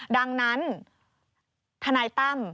ดังนั้นทนายตั้ม